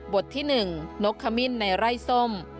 ที่๑นกขมิ้นในไร่ส้ม